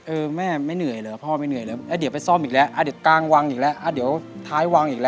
เออแม่ไม่เหนื่อยเหรอพ่อไม่เหนื่อยเหรออ่ะเดี๋ยวไปซ่อมอีกแล้วอ่ะเดี๋ยวกลางวางอีกแล้ว